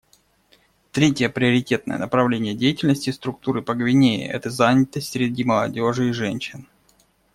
Третье приоритетное направление деятельности Структуры по Гвинее — это занятость среди молодежи и женщин.